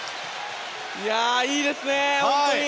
いいですね、本当に！